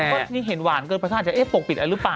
นี่เห็นหวานเกินพระท่านจะเอ๊ะปกปิดอ่ะหรือเปล่า